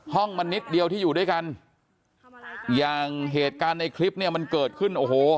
ห้องมันนิดเดียวที่อยู่ด้วยกันอย่างเหตุการณ์ในคลิปเนี่ยมันเกิดขึ้นโอ้โห